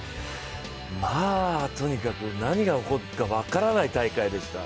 まあとにかく、何が起こるか分からない大会でした。